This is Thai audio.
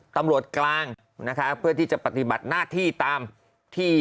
ตำรวจกลางนะคะเพื่อที่จะปฏิบัติหน้าที่ตามที่